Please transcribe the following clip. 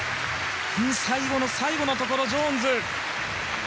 最後の最後のところジョーンズ。